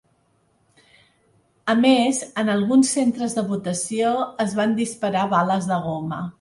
A més, en alguns centres de votació es van disparar bales de goma.